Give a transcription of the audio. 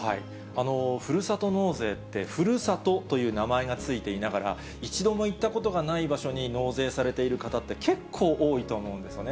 ふるさと納税って、ふるさとという名前が付いていながら、一度も行ったことがない場所に納税されている方って、結構多いと思うんですよね。